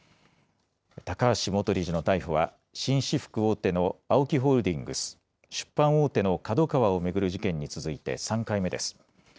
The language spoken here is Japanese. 高橋元理事の逮捕は、紳士服大手のＡＯＫＩホールディングス、出版大手のＫＡＤＯＫＡＷＡを巡る事件に続いて３回目です。